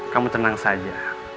kamu tenang saja